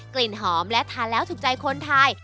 กลิ่นหอมและทานแล้วถูกใจคนไทย